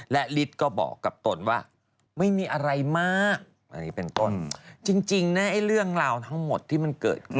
และฤทธิ์ก็บอกกับโตนว่าไม่มีอะไรมากจริงนะไอ้เรื่องราวทั้งหมดที่มันเกิด